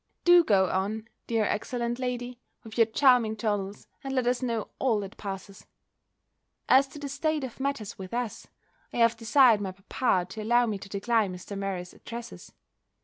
Do go on, dear excellent lady, with your charming journals, and let us know all that passes. As to the state of matters with us, I have desired my papa to allow me to decline Mr. Murray's addresses.